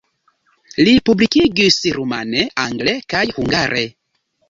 Li publikigis rumane, angle kaj hungare.